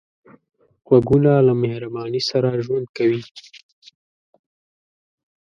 غوږونه له مهرباني سره ژوند کوي